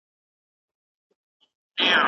زکات، حج، او نور عبادات زده کول فرض دي.